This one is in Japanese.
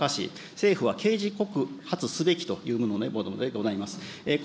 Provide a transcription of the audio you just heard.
政府は刑事告発すべきというものでございます。